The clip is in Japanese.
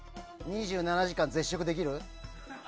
２７時間絶食できる？